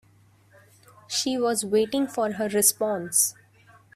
She was waiting for her response.